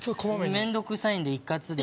面倒くさいんで一括で。